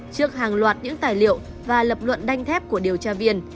trước hàng loạt những tài liệu và lập luận đanh thép của điều tra viên